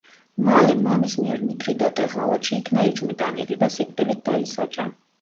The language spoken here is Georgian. მალე მამის მიერ მითრიდატე ღალატში იქნა ეჭვმიტანილი და სიკვდილით დაისაჯა.